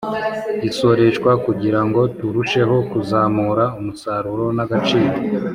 isoreshwa kugirango turusheho kuzamura umusaruro n'agaciro